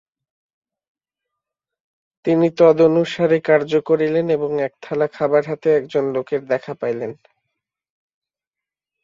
তিনি তদনুসারে কার্য করিলেন এবং এক থালা খাবার হাতে একজন লোকের দেখা পাইলেন।